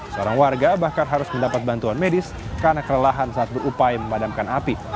seorang warga bahkan harus mendapat bantuan medis karena kelelahan saat berupaya memadamkan api